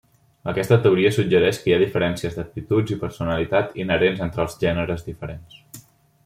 Aquesta teoria suggereix que hi ha diferències d'aptituds i personalitat inherents entre gèneres diferents.